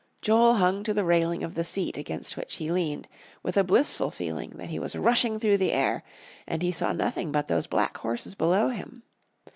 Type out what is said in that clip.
Joel hung to the railing of the seat against which he leaned, with a blissful feeling that he was rushing through the air, and he saw nothing but those black horses below him.